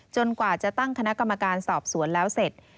กว่าจะตั้งคณะกรรมการสอบสวนแล้วเสร็จ